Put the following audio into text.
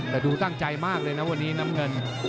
แต่ดูตั้งใจมากเลยนะวันนี้น้ำเงิน